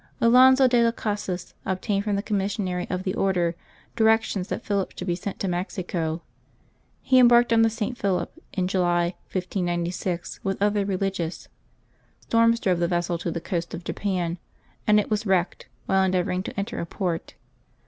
Alonso de las Casas obtained from the Commissary of the Order directions that Philip should be sent to Mexico. He em barked on the St. Philip in July, 1596, with other religious. Storms drove the vessel to the coast of Japan, and it was wrecked while endeavoring to enter a port.